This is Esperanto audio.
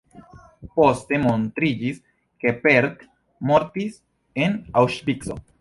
Poste montriĝis, ke Petr mortis en Aŭŝvico.